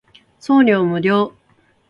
送料無料